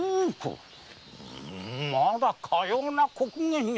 まだかような刻限に。